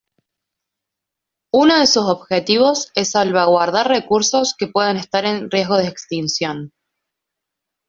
Uno de sus objetivos es salvaguardar recursos que puedan estar en riesgo de extinción.